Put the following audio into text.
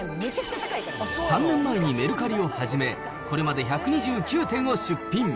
３年前にメルカリを始め、これまで１２９点を出品。